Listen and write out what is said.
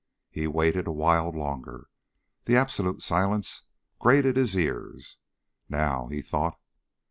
He waited a while longer. The absolute silence grated his ears. Now, he thought.